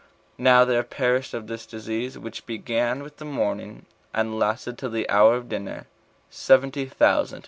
Now there perished of this disease, which began with the morning, and lasted till the hour of dinner, seventy thousand.